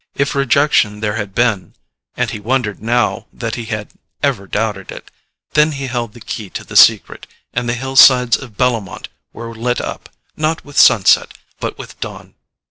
If rejection there had been—and he wondered now that he had ever doubted it!—then he held the key to the secret, and the hillsides of Bellomont were lit up, not with sunset, but with dawn.